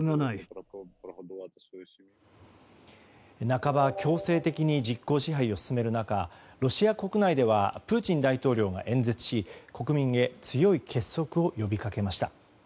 半ば強制的に実効支配を進める中ロシア国内ではプーチン大統領が演説し国民へ強い結束を呼びかけました。